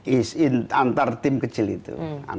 ease in antar tim kecil itu